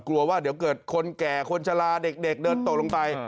กลัวว่าเดี๋ยวเกิดคนแก่คนชะลาเด็กเดินตกลงไป